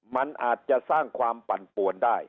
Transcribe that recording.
มันอาจจะสร้างความปั่นปวนได้